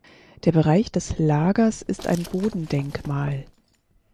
Der Bereich des Lagers ist ein Bodendenkmal.